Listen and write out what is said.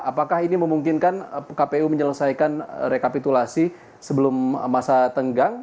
apakah ini memungkinkan kpu menyelesaikan rekapitulasi sebelum masa tenggang